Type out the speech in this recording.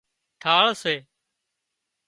ٿاۯ سي